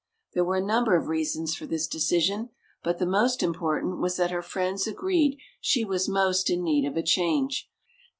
There were a number of reasons for this decision, but the most important was that her friends agreed she was most in need of a change.